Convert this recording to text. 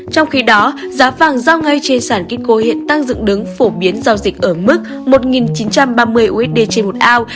trong khi đó giá vàng giao ngay trên sản kitco hiện đang dựng đứng phổ biến giao dịch ở mức một chín trăm ba mươi usd trên một ao